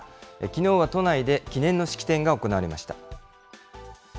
きのうは都内で記念の式典が行われました。